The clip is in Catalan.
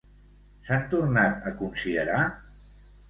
S'han tornat a considerar?